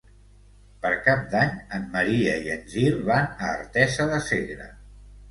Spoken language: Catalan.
Per Cap d'Any en Maria i en Gil van a Artesa de Segre.